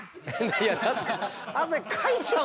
いやだって汗かいちゃうのよ。